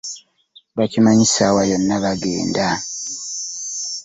Bakimanyi ssaawa yonna bagenda.